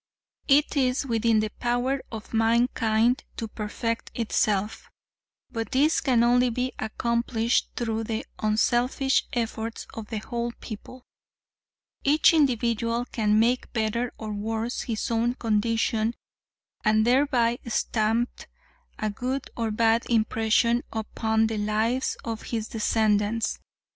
It is within the power of mankind to perfect itself, but this can only be accomplished through the unselfish efforts of the whole people. Each individual can make better or worse his own condition and thereby stamp a good or bad impression upon the lives of his descendants.